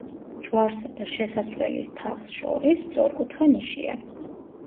ჯვარსა და შესასვლელის თაღს შორის სწორკუთხა ნიშია.